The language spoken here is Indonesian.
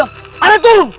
ada yang turun